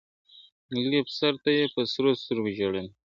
لوی افسر ته یې په سرو سترګو ژړله ..